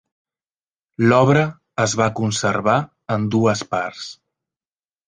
L’obra es va conservar en dues parts.